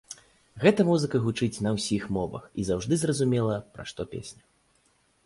Гэта музыка гучыць на ўсіх мовах і заўжды зразумела, пра што песня.